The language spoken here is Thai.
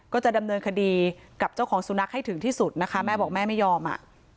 ก็จะดำเนินคดีกับเจ้าของสุนัขให้ถึงที่สุดนะคะแม่บอกแม่ไม่ยอมอ่ะ